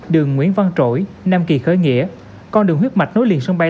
đường nguyễn văn trỗi nam kỳ khởi nghĩa con đường huyết mạch nối liền sân bay